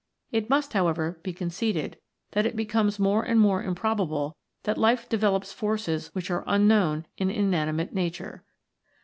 It must, however, be conceded that it becomes more and more improbable that Life develops forces which are unknown in inanimate Nature.